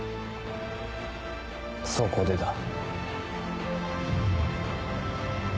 そこでだ。